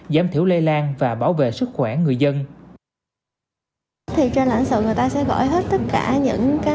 giảm thiểu lây lan và bảo vệ sức khỏe người dân